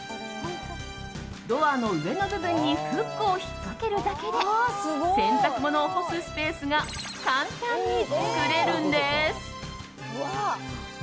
ドアの上の部分にフックを引っかけるだけで洗濯物を干すスペースが簡単に作れるんです。